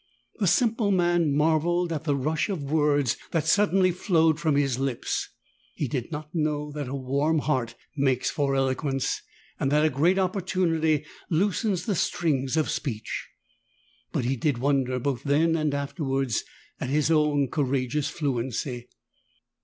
The simple man marvelled at the rush of words that suddenly flowed from his lips. He did not know that a warm heart makes for eloquence, and that a great opportunity loosens the strings of speech. But he did wonder, both then and afterwards, at his own courageous fluency.